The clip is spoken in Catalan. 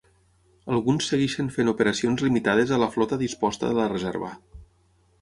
Alguns segueixen fent operacions limitades a la Flota Disposta de la Reserva.